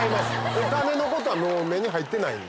お金のことはもう目に入ってないんで。